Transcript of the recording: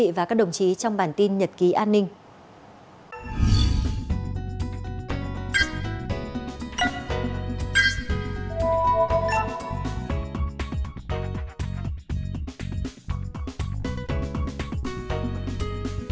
cảm ơn quý vị và các đồng chí trong bản tin nhật ký an ninh